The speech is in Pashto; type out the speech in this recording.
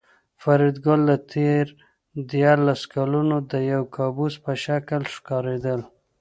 فریدګل ته تېر دیارلس کلونه د یو کابوس په شکل ښکارېدل